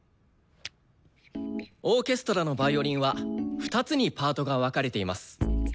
オーケストラのヴァイオリンは２つにパートが分かれています。